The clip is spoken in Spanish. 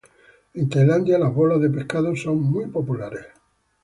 En Tailandia las bolas de pescados son muy populares.